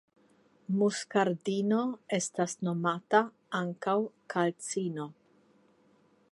Muskardino estas nomata ankaŭ kalcino.